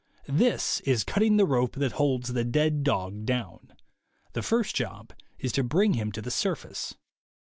This is cutting the rope that holds the dead dog down. The first job is to bring him to the surface.